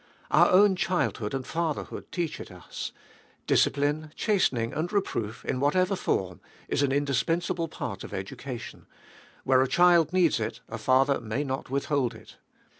Our own child hood and fatherhood teach it us; discipline, chastening, and reproof, in whatever form, is an indispensable part of education ; where a child needs it a father may not withhold it.